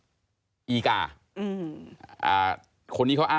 ก็ปูต้องเดินไปครูนาแล้วเข้าไปในรูที่อยู่ตรงครูนาไหม